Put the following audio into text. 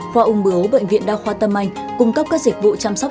khoa ung bữa ố bệnh viện đao khoa tâm anh cung cấp các dịch vụ chăm sóc